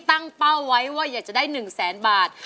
ตั้งเป้าไว้ว่าอยากจะได้๑แสนบาท